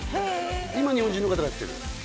今日本人の方がやってる？